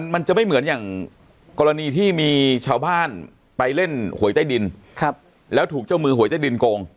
มันจะไม่เหมือนอย่างกรณีที่มีชาวบ้านไปเล่นหวยใต้ดินแล้วถูกเจ้ามือหวยใต้ดินโกง